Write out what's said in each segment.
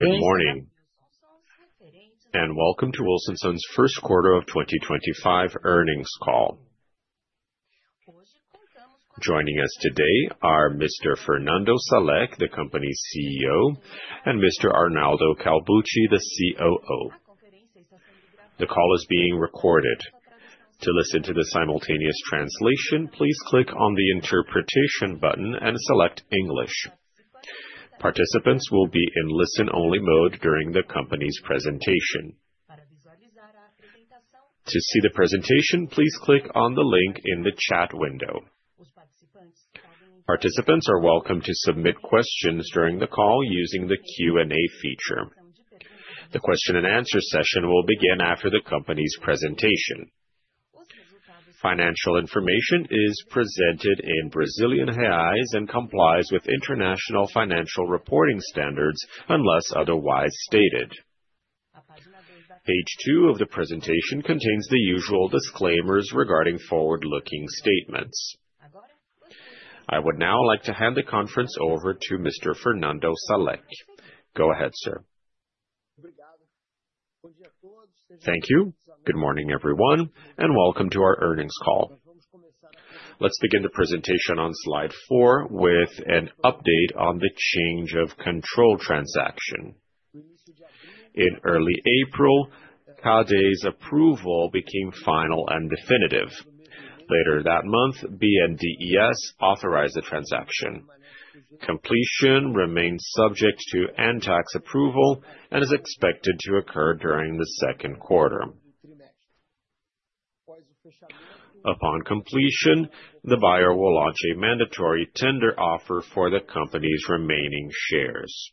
Good morning. Good morning, Wilson Sons. Welcome to Wilson Sons' first quarter of 2025 earnings call. Joining us today are Mr. Fernando Salek, the company's CEO, and Mr. Arnaldo Calbucci, the COO. The call is being recorded. To listen to the simultaneous translation, please click on the interpretation button and select English. Participants will be in listen-only mode during the company's presentation. To see the presentation, please click on the link in the chat window. Participants are welcome to submit questions during the call using the Q&A feature. The question-and-answer session will begin after the company's presentation. Financial information is presented in Brazilian reais and complies with International Financial Reporting Standards unless otherwise stated. Page two of the presentation contains the usual disclaimers regarding forward-looking statements. I would now like to hand the conference over to Mr. Fernando Salek. Go ahead, sir. Thank you. Good morning, everyone, and welcome to our earnings call. Let's begin the presentation on slide four with an update on the change of control transaction. In early April, CADE's approval became final and definitive. Later that month, BNDES authorized the transaction. Completion remains subject to antitrust approval and is expected to occur during the second quarter. Upon completion, the buyer will launch a mandatory tender offer for the company's remaining shares.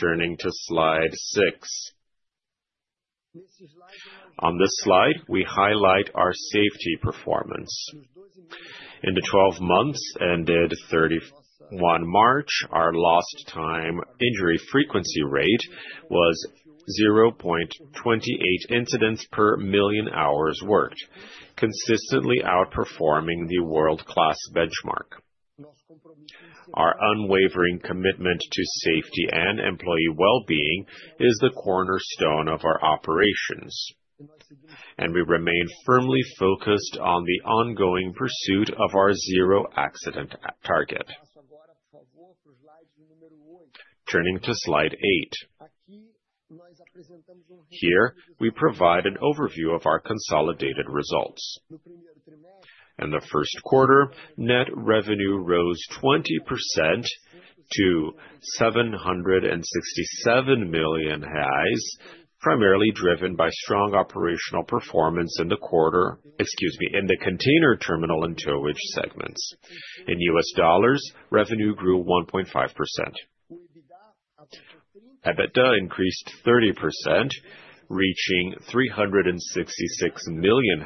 Turning to slide six. On this slide, we highlight our safety performance. In the 12 months ended March 31, our lost time injury frequency rate was 0.28 incidents per million hours worked, consistently outperforming the world-class benchmark. Our unwavering commitment to safety and employee well-being is the cornerstone of our operations, and we remain firmly focused on the ongoing pursuit of our zero-accident target. Turning to slide eight. Here, we provide an overview of our consolidated results. In the first quarter, net revenue rose 20% to 767 million, primarily driven by strong operational performance in the quarter in the container terminal and towage segments. In U.S. dollars, revenue grew 1.5%. EBITDA increased 30%, reaching 366 million,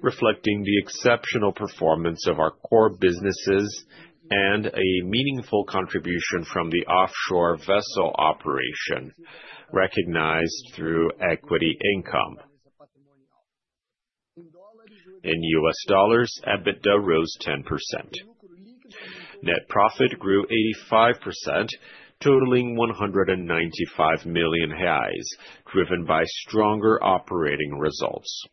reflecting the exceptional performance of our core businesses and a meaningful contribution from the offshore vessel operation, recognized through equity income. In U.S. dollars, EBITDA rose 10%. Net profit grew 85%, totaling 195 million reais, driven by stronger operating results.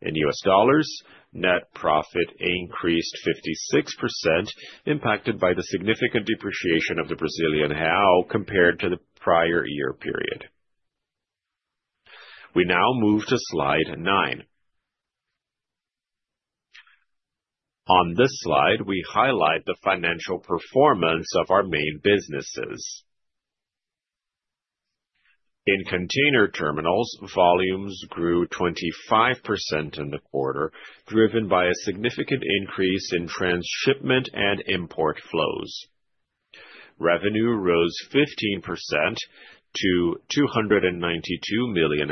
In U.S. dollars, net profit increased 56%, impacted by the significant depreciation of the Brazilian real compared to the prior year period. We now move to slide nine. On this slide, we highlight the financial performance of our main businesses. In container terminals, volumes grew 25% in the quarter, driven by a significant increase in transshipment and import flows. Revenue rose 15% to 292 million,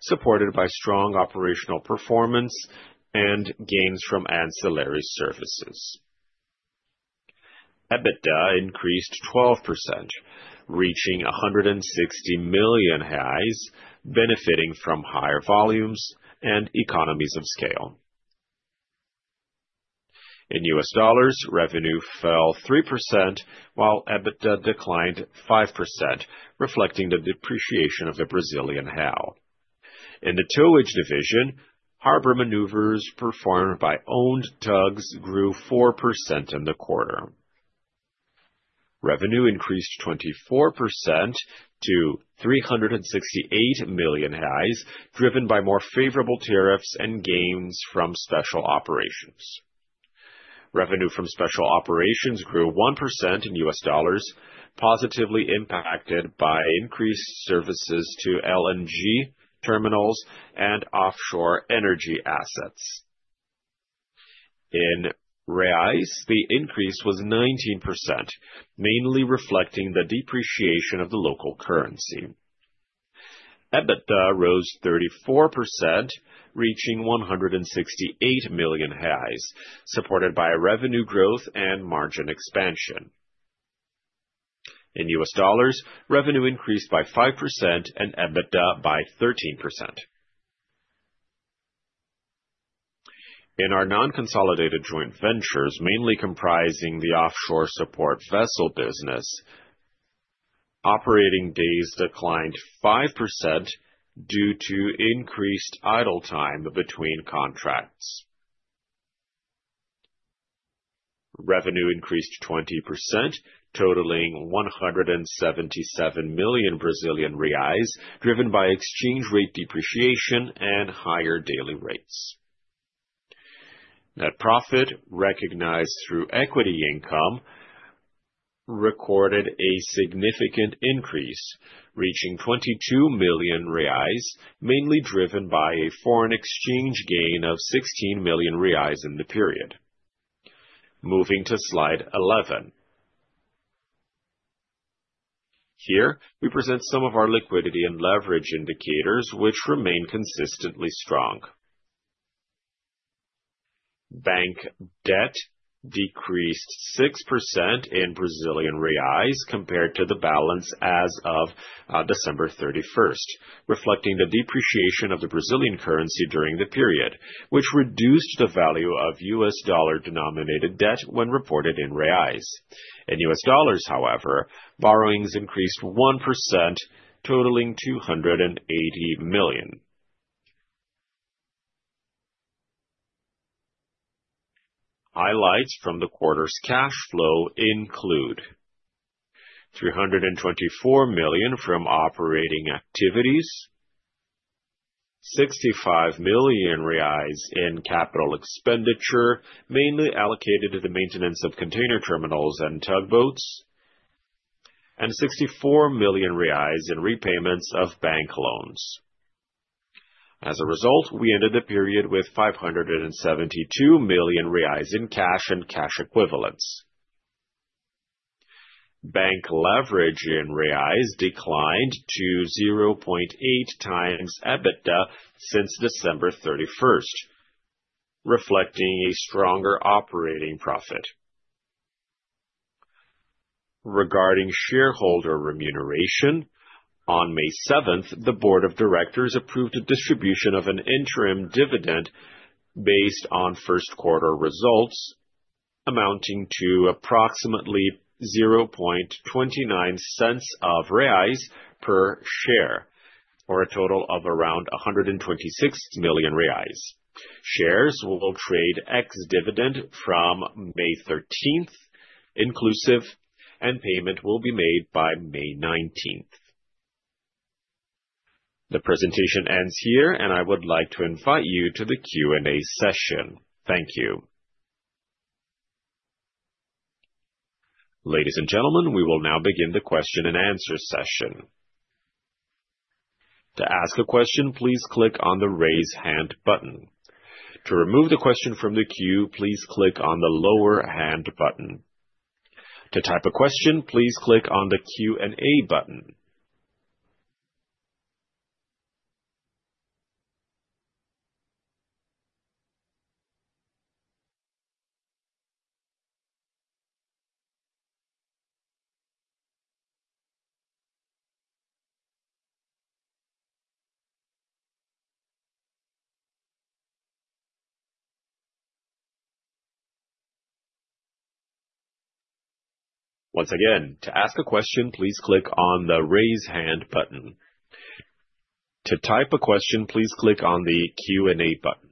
supported by strong operational performance and gains from ancillary services. EBITDA increased 12%, reaching 160 million, benefiting from higher volumes and economies of scale. In U.S. dollars, revenue fell 3%, while EBITDA declined 5%, reflecting the depreciation of the Brazilian real. In the towage division, harbor maneuvers performed by owned tugs grew 4% in the quarter. Revenue increased 24% to 368 million, driven by more favorable tariffs and gains from special operations. Revenue from special operations grew 1% in U.S. dollars, positively impacted by increased services to LNG terminals and offshore energy assets. In reais, the increase was 19%, mainly reflecting the depreciation of the local currency. EBITDA rose 34%, reaching 168 million, supported by revenue growth and margin expansion. In U.S. dollars, revenue increased by 5% and EBITDA by 13%. In our non-consolidated joint ventures, mainly comprising the offshore support vessel business, operating days declined 5% due to increased idle time between contracts. Revenue increased 20%, totaling 177 million Brazilian reais, driven by exchange rate depreciation and higher daily rates. Net profit, recognized through equity income, recorded a significant increase, reaching 22 million reais, mainly driven by a foreign exchange gain of 16 million reais in the period. Moving to slide 11. Here, we present some of our liquidity and leverage indicators, which remain consistently strong. Bank debt decreased 6% in Brazilian reais compared to the balance as of December 31st, reflecting the depreciation of the Brazilian currency during the period, which reduced the value of U.S. dollar-denominated debt when reported in reais. In U.S. dollars, however, borrowings increased 1%, totaling $280 million. Highlights from the quarter's cash flow include 324 million from operating activities, 65 million reais in capital expenditure, mainly allocated to the maintenance of container terminals and tugboats, and 64 million reais in repayments of bank loans. As a result, we ended the period with 572 million reais in cash and cash equivalents. Bank leverage in reais declined to 0.8x EBITDA since December 31st, reflecting a stronger operating profit. Regarding shareholder remuneration, on May 7th, the Board of Directors approved a distribution of an interim dividend based on first quarter results, amounting to approximately 0.29 per share, or a total of around 126 million reais. Shares will trade ex-dividend from May 13th, inclusive. Payment will be made by May 19th. The presentation ends here, and I would like to invite you to the Q&A session. Thank you. Ladies and gentlemen, we will now begin the question and answer session. To ask a question, please click on the raise hand button. To remove the question from the queue, please click on the lower hand button. To type a question, please click on the Q&A button. Once again, to ask a question, please click on the raise hand button. To type a question, please click on the Q&A button.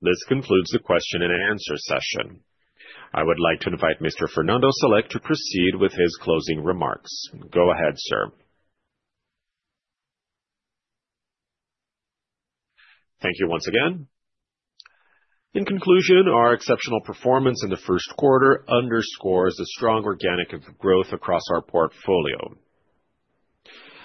This concludes the question and answer session. I would like to invite Mr. Fernando Salek to proceed with his closing remarks. Go ahead, sir. Thank you once again. In conclusion, our exceptional performance in the first quarter underscores the strong organic growth across our portfolio.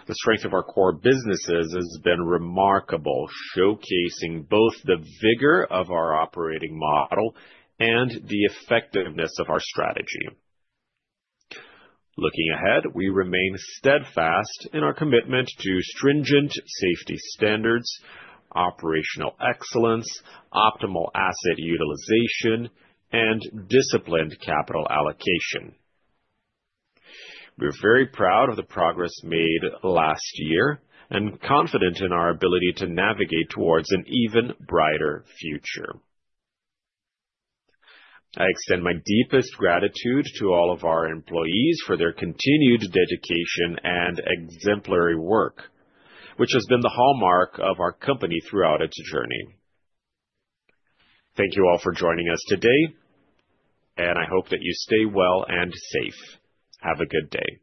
The strength of our core businesses has been remarkable, showcasing both the vigor of our operating model and the effectiveness of our strategy. Looking ahead, we remain steadfast in our commitment to stringent safety standards, operational excellence, optimal asset utilization, and disciplined capital allocation. We are very proud of the progress made last year and confident in our ability to navigate towards an even brighter future. I extend my deepest gratitude to all of our employees for their continued dedication and exemplary work, which has been the hallmark of our company throughout its journey. Thank you all for joining us today, and I hope that you stay well and safe. Have a good day.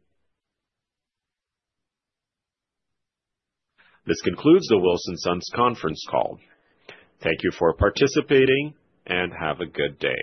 This concludes the Wilson Sons conference call. Thank you for participating and have a good day.